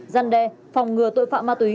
dăn đe phòng ngừa tội phạm ma túy